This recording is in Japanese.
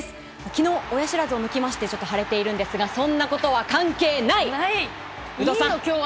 昨日、親知らずを抜きましてちょっと腫れているんですがそんなことは関係ない！